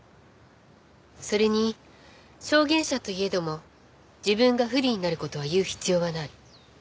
それに証言者といえども自分が不利になる事は言う必要はない。